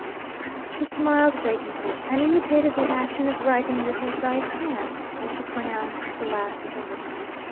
She smiled vacantly, and imitated the action of writing with her right hand as she pronounced the last words.